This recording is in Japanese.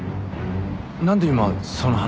何で今その話？